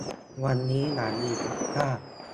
วันนี้อย่าลืมซักผ้า